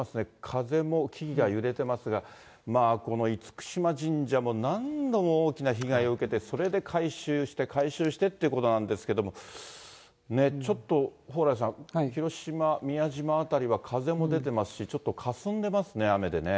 風も木々が揺れてますが、まあ、この厳島神社も何度も大きな被害を受けて、それで改修して、改修してってことなんですけども、ちょっと蓬莱さん、広島・宮島辺りは風も出てますし、ちょっとかすんでますね、雨でね。